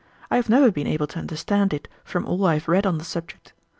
I have never been able to understand it from all I have read on the subject.